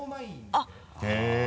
あっ。